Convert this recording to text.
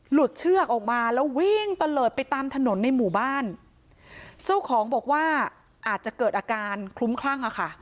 เชือกออกมาแล้ววิ่งตะเลิศไปตามถนนในหมู่บ้านเจ้าของบอกว่าอาจจะเกิดอาการคลุ้มคลั่งอ่ะค่ะ